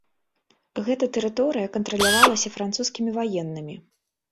Гэта тэрыторыя кантралявалася французскімі ваеннымі.